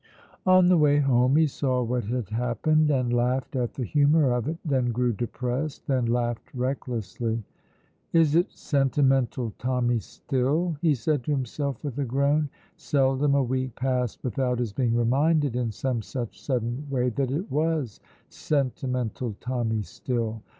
On the way home he saw what had happened, and laughed at the humour of it, then grew depressed, then laughed recklessly. "Is it Sentimental Tommy still?" he said to himself, with a groan. Seldom a week passed without his being reminded in some such sudden way that it was Sentimental Tommy still.